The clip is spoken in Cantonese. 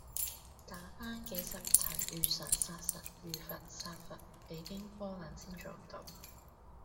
打番幾十層遇神殺神、遇佛殺佛，幾經波瀾先做到